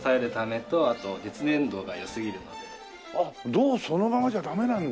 銅そのままじゃダメなんだ。